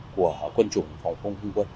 của quân chủ phòng không quân